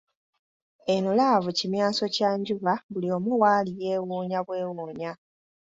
Eno laavu kimyanso kya njuba buli omu waali yeewuunya bwewuunya.